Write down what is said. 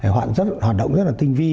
hoạt động rất tinh vi